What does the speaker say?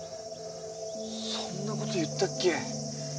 そんなこと言ったっけ？